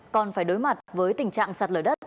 còn phải đối mặt với tình trạng sạt lở đất